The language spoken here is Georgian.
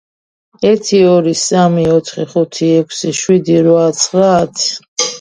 ერთი ორი სამი ოთხი ხუთი ექვსი შვიდი რვა ცხრა ათი